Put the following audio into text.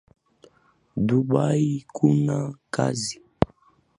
Dubai kuna kazi